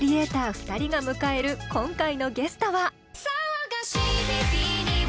２人が迎える今回のゲストは。